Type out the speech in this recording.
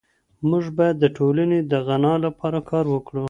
موږ بايد د ټولني د غنا لپاره کار وکړو.